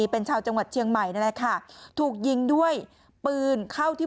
เป็นชาวจังหวัดเชียงใหม่ถูกยิงด้วยปืนเข้าที่